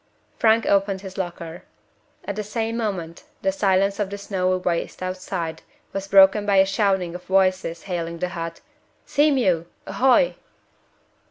Frank opened his locker. At the same moment the silence of the snowy waste outside was broken by a shouting of voices hailing the hut "Sea mew, ahoy!"